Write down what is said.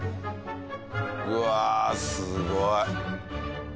うわあすごい！